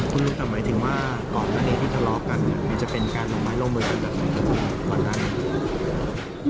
คุณรู้สักหมายถึงว่าก่อนหน้านี้ที่ทะเลากันมันจะเป็นการลงไม้ร่วมเวลาจากก่อนหน้านี้